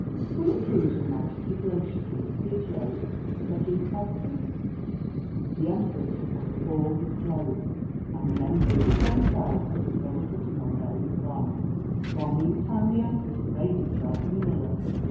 "Will it please your Majesty graciously to disrobe," said the impostors. The Emperor took off all his clothes, and the men busied themselves as if they were putting on various garments, while meantime the Emperor surveyed himself in the mirror.